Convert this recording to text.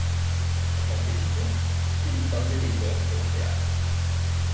En tant qu'étudiant, il peint des décors pour les théâtres.